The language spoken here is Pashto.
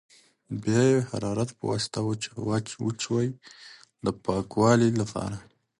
بیا یې د حرارت په واسطه وچوي د پاکوالي لپاره.